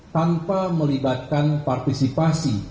tanpa melibatkan partisipasi